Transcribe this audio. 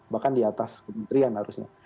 bahkan di atas kementerian harusnya